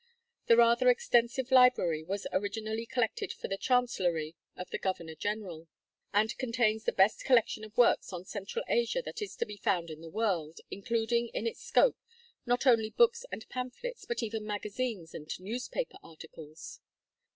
The rather extensive library was originally collected for the chancellery of the governor general, and contains the best collection of works on central Asia that is to be found in the world, including in its scope not only books and pamphlets, but even magazines and newspaper articles.